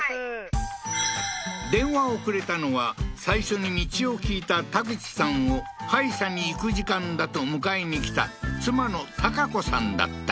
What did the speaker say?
電話をくれたのは最初に道を聞いた田口さんを歯医者に行く時間だと迎えに来た妻の良子さんだった